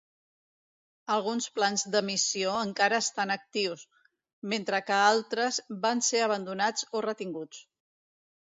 Alguns plans de missió encara estan actius, mentre que altres van ser abandonats o retinguts.